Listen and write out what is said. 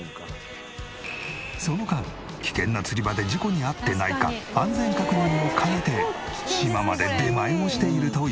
その間危険な釣り場で事故に遭ってないか安全確認も兼ねて島まで出前をしているという。